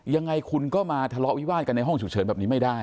ยังไงคุณก็มาทะเลาะวิวาดกันในห้องฉุกเฉินแบบนี้ไม่ได้